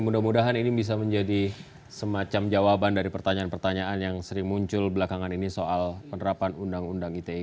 mudah mudahan ini bisa menjadi semacam jawaban dari pertanyaan pertanyaan yang sering muncul belakangan ini soal penerapan undang undang ite